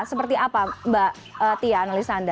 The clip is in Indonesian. seperti apa mbak tia analisa anda